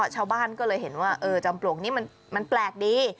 ชาวบ้านก็เลยเห็นว่าจอมปลวกนี้มันแปลกดี